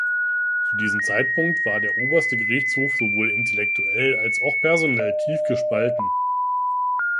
Zu diesem Zeitpunkt war der Oberste Gerichtshof sowohl intellektuell als auch personell tief gespalten.